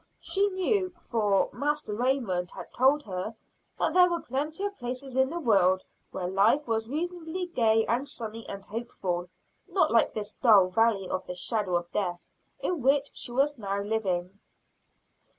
She knew, for Master Raymond had told her, that there were plenty of places in the world where life was reasonably gay and sunny and hopeful; not like this dull valley of the shadow of death in which she was now living.